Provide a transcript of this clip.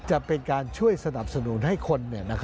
จะเป็นการช่วยสนับสนุนให้คน